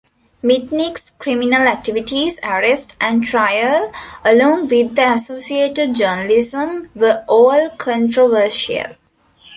Mitnick's criminal activities, arrest, and trial, along with the associated journalism, were all controversial.